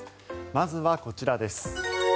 まずはこちらです。